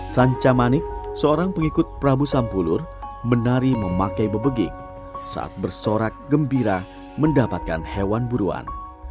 sanca manik seorang pengikut prabu sampulur menari memakai bebegik saat bersorak gembira mendapatkan hewan buruan